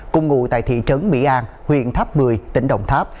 cùng ngủ tại thị trấn mỹ an huyện tháp bười tỉnh đồng tháp